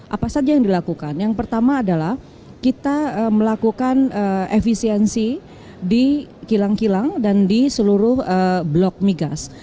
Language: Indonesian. apa saja yang dilakukan yang pertama adalah kita melakukan efisiensi di kilang kilang dan di seluruh blok migas